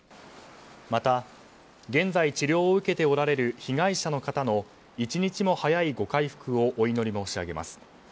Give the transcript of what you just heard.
また現在、治療を受けておられる被害者の方の一日も早いご回復をお祈り申し上げます。